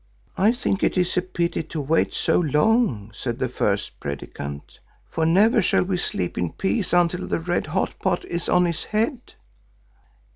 "'I think it is a pity to wait so long,' said the first Predikant, 'for never shall we sleep in peace until the red hot pot is on his head.